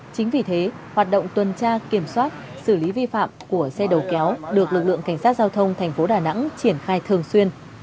chính vì thế hoạt động tuần tra kiểm soát xử lý vi phạm của xe đầu kéo được lực lượng cảnh sát giao thông thành phố đà nẵng triển khai thường xuyên